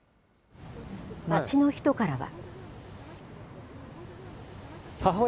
町の人からは。